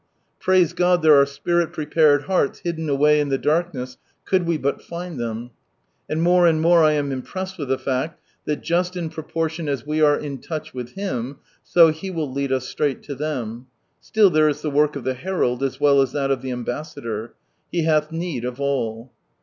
Praise God, there are Spirit prepared hearts hidden away in the darkness could we but find ihem, (and more and more I am impressed with the fact that just in pro portion as we are in touch with Him, so He will lead iis straight to them;) still there is ihe work of the herald, as well as that of the ambassador. He hath need of ail.